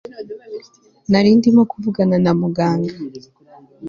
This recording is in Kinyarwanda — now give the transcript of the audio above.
nari ndimo kuvugana na Muganga